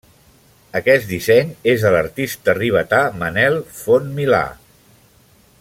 Aquest disseny és de l'artista ribetà Manel Font Milà.